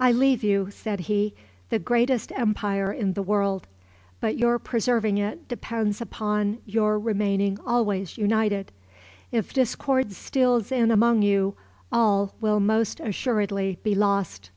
"I leave you," said he, "the greatest empire in the world, but your preserving it depends upon your remaining always united. If discord steals in among you all will most assuredly be lost."